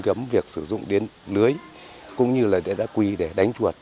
trong việc sử dụng điện lưới cũng như là để đã quy để đánh chuột